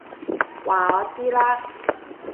話我知啦！